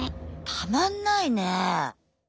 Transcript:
たまんないね。